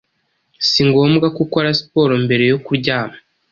Si ngomwa ko ukora siporo mbere yo kuryama,